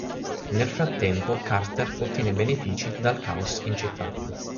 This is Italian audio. Nel frattempo Carter ottiene benefici dal caos in città.